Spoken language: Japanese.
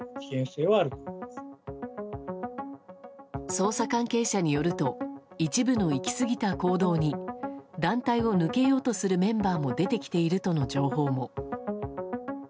捜査関係者によると一部の行き過ぎた行動に団体を抜けようとするメンバーも出てきているとの情報も。